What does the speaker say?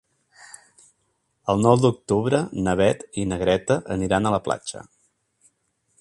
El nou d'octubre na Beth i na Greta aniran a la platja.